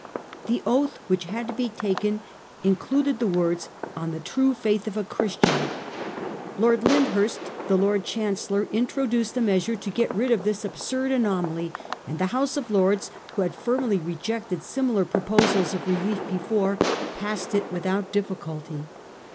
The oath which had to be taken included the words ' on the true faith of a Christian.' Lord Lyndhurst, the Lord Chancellor, introduced a measure to get rid of this absurd anomaly ; and the House of Lords, who had firmly rejected similar proposals of relief before, passed it without any difficulty.